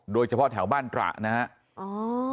โดยเฉพาะแถวบ้านกระนะฮะ